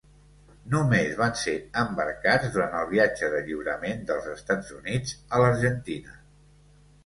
Només van ser embarcats durant el viatge de lliurament dels Estats Units a l'Argentina.